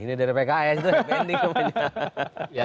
ini dari pks tuh happy endingnya